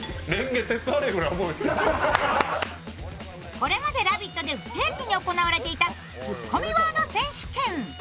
これまで「ラヴィット！」で不定期に行われていたツッコミワード選手権。